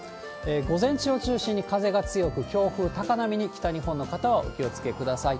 午前中を中心に風が強く、強風、高波に北日本の方はお気をつけください。